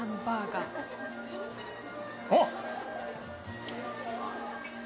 あっ！